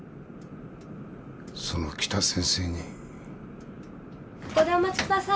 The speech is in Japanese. その北先生にここでお待ちください